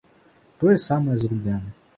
Тое самае з рублямі.